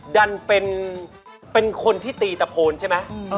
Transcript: ดันเป็นคนที่ตีตะโพนใช่ไหม